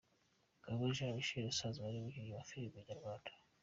Ngabo Jean Micheal asanzwe ari umukinnyi wa filime nyarwanda.